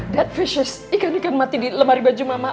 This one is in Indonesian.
that visies ikan ikan mati di lemari baju mama